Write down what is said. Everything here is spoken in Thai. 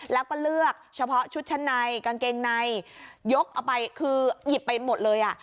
แล้วก็เลือกเฉพาะชุดชั้นในกางเกงในยกเอาไปคือหยิบไปหมดเลยอ่ะ